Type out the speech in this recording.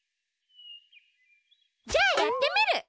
じゃあやってみる！